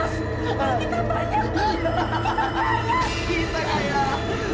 selamat tinggal kemiskinan